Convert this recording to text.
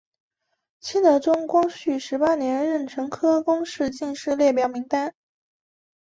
清德宗光绪十八年壬辰科贡士进士列表名单。